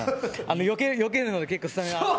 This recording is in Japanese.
よけるので結構スタミナ。